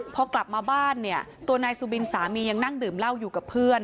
พอกลับมาบ้านเนี่ยตัวนายสุบินสามียังนั่งดื่มเหล้าอยู่กับเพื่อน